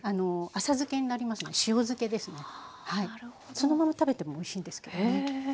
そのまま食べてもおいしいんですけどね。